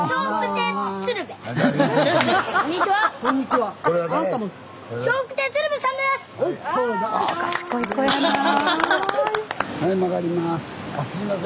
はい曲がります。